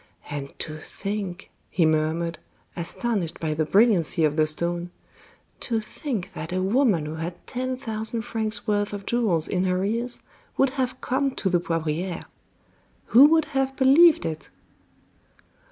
"And to think," he murmured, astonished by the brilliancy of the stone, "to think that a woman who had ten thousand francs' worth of jewels in her ears would have come to the Poivriere. Who would have believed it?"